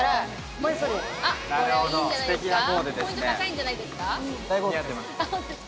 ポイント高いんじゃないですか似合ってます